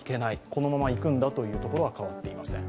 このままいくんだということに変わりありません。